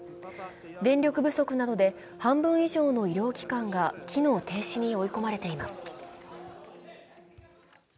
電力不足などで半分以上の医療機関が機能停止に追い込まれています。